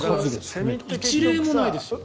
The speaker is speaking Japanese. １例もないですよ。